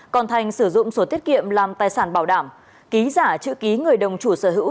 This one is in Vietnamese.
còn thành sử dụng sổ tiết kiệm làm tài sản bảo đảm ký giả chữ ký người đồng chủ sở hữu